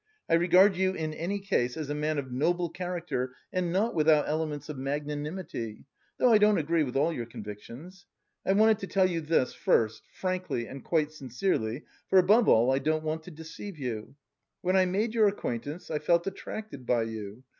I regard you in any case as a man of noble character and not without elements of magnanimity, though I don't agree with all your convictions. I wanted to tell you this first, frankly and quite sincerely, for above all I don't want to deceive you. When I made your acquaintance, I felt attracted by you.